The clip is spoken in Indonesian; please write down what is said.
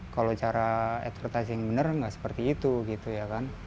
kalau cara advertising bener nggak seperti itu gitu ya kan